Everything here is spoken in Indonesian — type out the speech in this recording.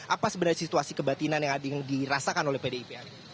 apa sebenarnya situasi kebatinan yang dirasakan oleh pdip